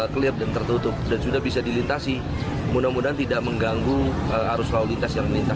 clear dan tertutup dan sudah bisa dilintasi mudah mudahan tidak mengganggu arus lalu lintas yang melintas